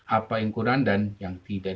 apa yang kurang dan yang tidak